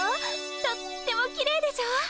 とってもきれいでしょ。